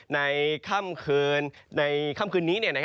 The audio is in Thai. ในค่ำคืนนี้